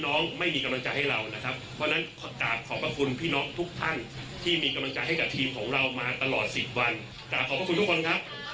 แล้วเราสู้กับทุกอย่าง